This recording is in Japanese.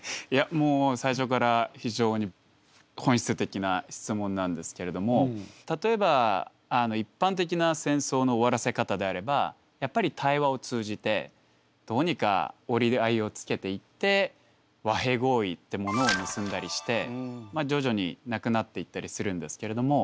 もう最初から非常に本質的な質問なんですけれども例えば一般的な戦争の終わらせ方であればやっぱり対話を通じてどうにか折り合いをつけていって和平合意ってものを結んだりしてまあ徐々になくなっていったりするんですけれども。